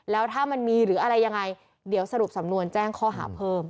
แล้วถ้ามันมีหรืออะไรยังไงเดี๋ยวสรุปสำนวนแจ้งข้อหาเพิ่ม